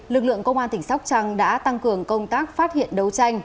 lực lượng công an tỉnh sóc trăng đã tăng cường công tác phát hiện đấu tranh